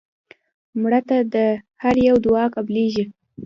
مړه ته د هر یو دعا قبلیږي